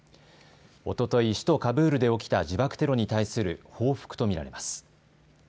おととい、首都カブールで起きた自爆テロに対する報復と見られます。